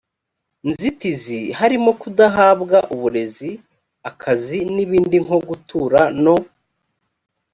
nzitizi harimo kudahabwa uburezi akazi n ibindi nko gutura no